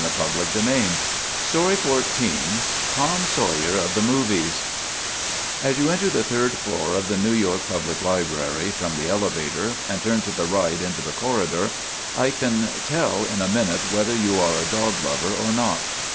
TOM SAWYER OF THE MOVIES TOM SAWYER OF THE MOVIES <* AS you enter the third floor of the New York Public Library from the elevator, and turn to the right into the corridor, I can tell in a minute whether you are a dog lover or not.